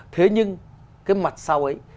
thế nhưng cái mặt sau ấy